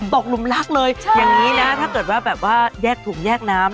หลุมรักเลยอย่างนี้นะถ้าเกิดว่าแบบว่าแยกถุงแยกน้ำ